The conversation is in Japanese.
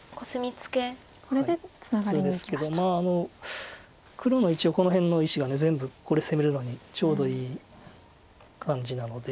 普通ですけど黒の一応この辺の石が全部これ攻めるのにちょうどいい感じなので。